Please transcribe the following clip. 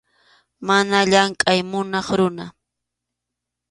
Mana llamkʼay munaq runa.